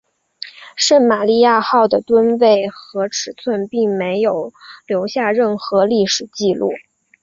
圣玛利亚号的吨位和尺寸并没有留下任何历史记录。